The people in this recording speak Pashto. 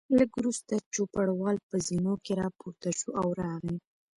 لږ وروسته چوپړوال په زینو کې راپورته شو او راغی.